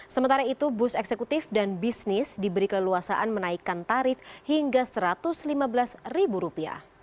sementara itu bus eksekutif dan bisnis diberi keleluasaan menaikkan tarif hingga rp satu ratus lima belas